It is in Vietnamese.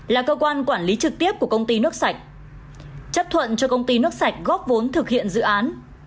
là cơ quan quản lý trực tiếp của công ty nước sạch chấp thuận cho công ty nước sạch góp vốn thực hiện dự án